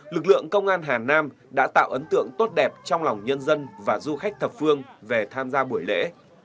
lực lượng công an hà nam đã tạo ấn tượng tốt đẹp trong lòng nhân dân và du khách thập phương về tham gia buổi lễ